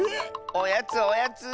おやつおやつ！